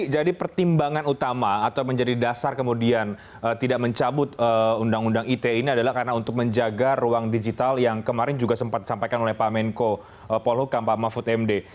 jadi pertimbangan utama atau menjadi dasar kemudian tidak mencabut undang undang ite ini adalah karena untuk menjaga ruang digital yang kemarin juga sempat disampaikan oleh pak menko paul hukam pak mahfud md